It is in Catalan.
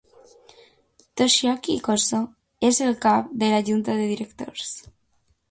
Toshiaki Koso és el cap de la junta de directors.